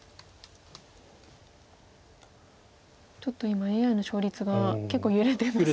ちょっと今ＡＩの勝率が結構揺れてますね。